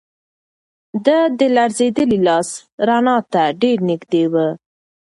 د ده لړزېدلی لاس رڼا ته ډېر نږدې و.